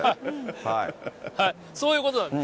そういうことなんです。